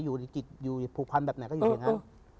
อยู่ในกิจอยู่ผูกพันธุ์แบบไหนก็อยู่อย่างนั้น